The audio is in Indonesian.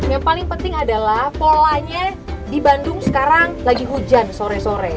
yang paling penting adalah polanya di bandung sekarang lagi hujan sore sore